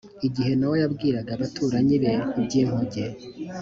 igihe nowa yabwiraga abaturanyi be iby inkuge